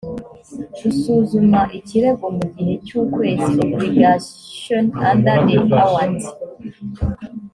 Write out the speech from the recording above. gusuzuma ikirego mu gihe cy ukwezi obligations under the award